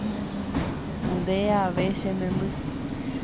nde ave che memby.